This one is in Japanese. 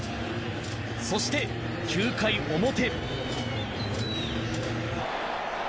そして、９回表。